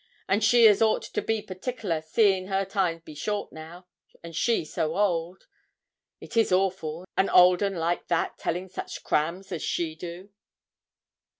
and she as ought to be partickler, seein' her time be short now, and she so old. It is awful, an old un like that telling such crams as she do.'